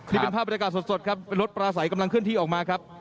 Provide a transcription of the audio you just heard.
นี่เป็นภาพบรรยากาศสดครับเป็นรถปลาใสกำลังเคลื่อนที่ออกมาครับ